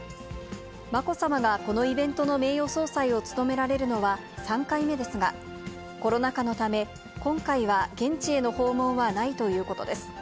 まこさまがこのイベントの名誉総裁を務められるのは、３回目ですが、コロナ禍のため、今回は現地への訪問はないということです。